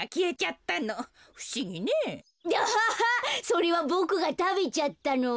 それはボクがたべちゃったの。